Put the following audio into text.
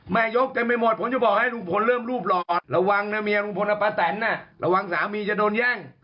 แม่ยกจะไม่หมดผมจะบอกให้รุงพลเริ่มรูปรอระวังนะเมียรุงพลอัปตันระวังสามีจะโดนแย่ง